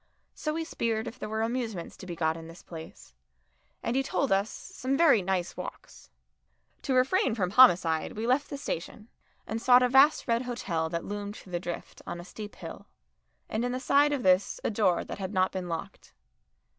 So we speered if there were amusements to be got in this place, and he told us "some very nice walks." To refrain from homicide we left the station, and sought a vast red hotel that loomed through the drift on a steep hill, and in the side of this a door that had not been locked.